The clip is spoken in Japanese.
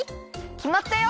きまったよ！